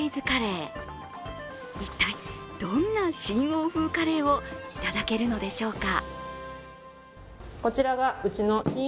一体どんな新欧風カレーをいただけるのでしょうか。